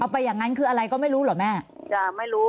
ไปอย่างนั้นคืออะไรก็ไม่รู้เหรอแม่ไม่รู้